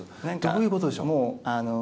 どういうことでしょう？